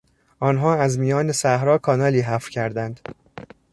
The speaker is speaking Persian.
آنها از میان صحرا کانالی حفر کردند.